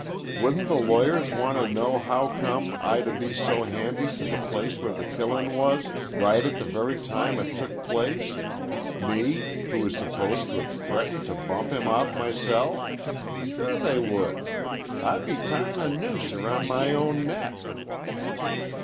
Wouldn't the lawyers want to know howcome I to be so handy to the place where the killin' was, right at the very time it took place, me who is supposed to have threatened to bump him off myself? Sure they would. I'd be tyin' a noose round my own neck."